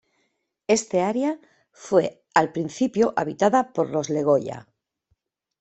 Esta área fue al principio habitada por los Le Goya.